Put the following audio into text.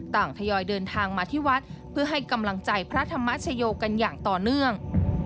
ทยอยเดินทางมาที่วัดเพื่อให้กำลังใจพระธรรมชโยกันอย่างต่อเนื่อง